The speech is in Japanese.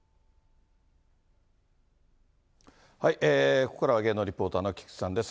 ここからは芸能リポーターの菊池さんです。